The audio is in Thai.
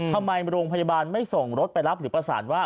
ทำไมโรงพยาบาลไม่ส่งรถไปรับหรือประสานว่า